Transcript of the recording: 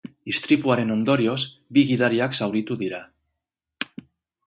Istripuaren ondorioz, bi gidariak zauritu dira.